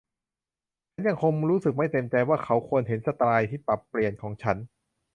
ฉันยังคงรู้สึกไม่เต็มใจว่าเขาควรเห็นสไตล์ที่ปรับเปลี่ยนของฉัน